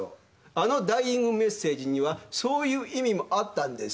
あのダイイングメッセージにはそういう意味もあったんです。